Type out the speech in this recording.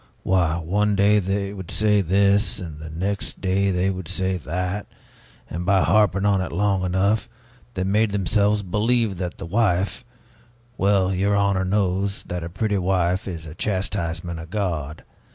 Why, one day they would say this, and the next day they would say that, and by harping on it long enough, they made themselves believe that the wife Well, your honor knows that a pretty wife is a chastisement of God.